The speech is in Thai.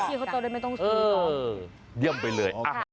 ใช่ไหมครับเออเยี่ยมไปเลยอ้าวโอเคครับ